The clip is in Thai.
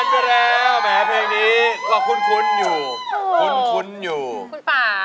ฮอบฟ้าคืนคุณนะ